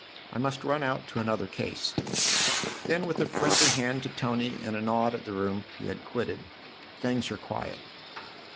I must run out to another case." Then with a friendly hand to Tony and a nod at the room he had quitted : "Things are quiet."